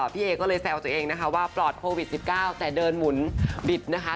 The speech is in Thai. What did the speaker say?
พี่เอก็เลยแซวตัวเองนะคะว่าปลอดโควิด๑๙แต่เดินหมุนบิดนะคะ